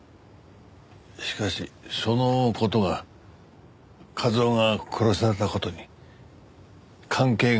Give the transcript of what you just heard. しかしその事が一雄が殺された事に関係があるんでしょうか？